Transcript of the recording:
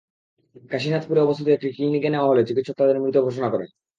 কাশীনাথপুরে অবস্থিত একটি ক্লিনিকে নেওয়া হলে চিকিৎসক তাদের মৃত ঘোষণা করেন।